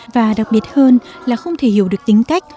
và đặc biệt hơn là không thể hiểu được tính cách